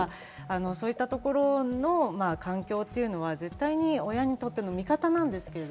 そういったところの環境というのは絶対に親にとっての味方なんですけど。